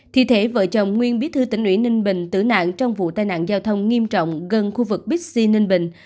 thi thể vợ chồng nguyên bí thư tỉnh ủy ninh bình tử nạn trong vụ tai nạn giao thông nghiêm trọng gần khu vực bixi ninh bình